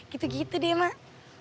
gitu gitu deh mak